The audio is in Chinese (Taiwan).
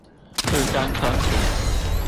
互相衝突